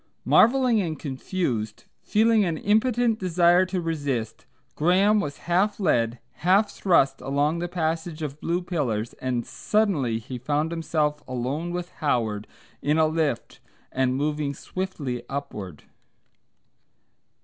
Marvelling and confused, feeling an impotent desire to resist, Graham was half led, half thrust, along the passage of blue pillars, and suddenly he found himself alone with Howard in a lift and moving swiftly upward.